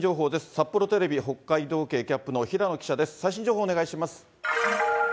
札幌テレビ北海道警キャップの平野記者です。